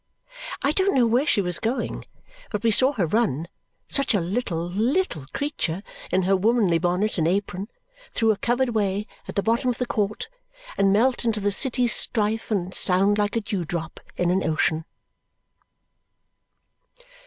I don't know where she was going, but we saw her run, such a little, little creature in her womanly bonnet and apron, through a covered way at the bottom of the court and melt into the city's strife and sound like a dewdrop in an ocean.